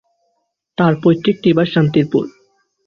তার পৈতৃক নিবাস শান্তিপুর।